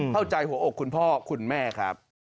หัวอกคุณพ่อคุณแม่ครับ